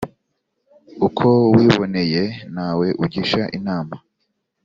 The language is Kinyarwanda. uko wiboneye nta we ugisha inama.